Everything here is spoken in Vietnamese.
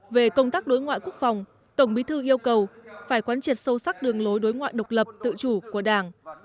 về công tác đối ngoại quốc phòng tổng bí thư yêu cầu phải quán triệt sâu sắc đường lối đối ngoại độc lập tự chủ của đảng